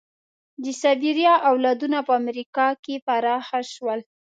د سایبریا اولادونه په امریکا کې پراخه شول.